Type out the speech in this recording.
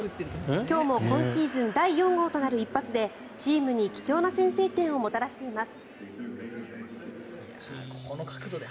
今日も今シーズン第４号となる一発でチームに貴重な先制点をもたらしています。